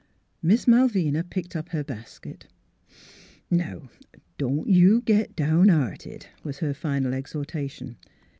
Miss Malvina picked up her basket. " Now, don't you git down hearted," was her final exhortation.